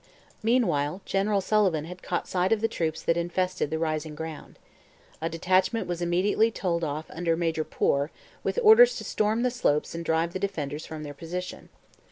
Meanwhile General Sullivan had caught sight of the troops that infested the rising ground. A detachment was immediately told off under Major Poor with orders to storm the slopes and drive the defenders from their position.